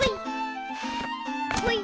ほい！